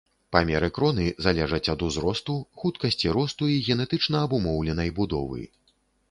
Памеры кроны залежаць ад узросту, хуткасці росту і генетычна абумоўленай будовы.